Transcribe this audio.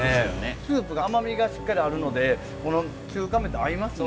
スープが甘みがしっかりあるのでこの中華麺と合いますね。